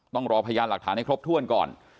ต้องรอพยานหลักฐานให้ครบถ้วนก่อน